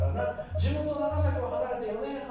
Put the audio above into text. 「地元・長崎を離れて４年半。